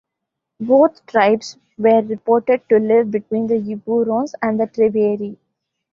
Both tribes were reported to live between the Eburones and the Treviri.